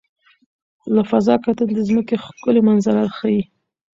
له فضا کتل د ځمکې ښکلي منظره ښيي.